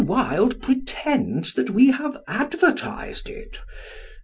Wilde pretends that we have advertised it.